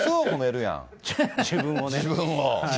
自分をね。